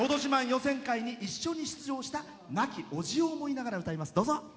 予選会に一緒に出場した亡きおじを思いながら歌います。